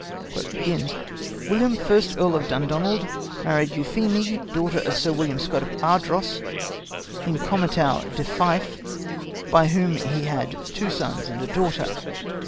" William, first Earl of Dundonald, married Euphemie, daughter of Sir William Scot of Ardross, in comitatu de Fife, by whom he had two sons and a daughter.